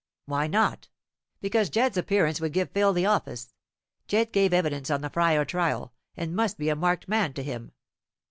"Why not?" "Because Jedd's appearance would give Phil the office. Jedd gave evidence on the Fryar trial, and must be a marked man to him.